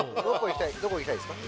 どこ行きたいですか？